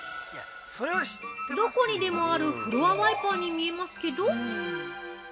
◆どこにでもあるフロアワイパーに見えますけど◆